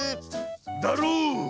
だろう？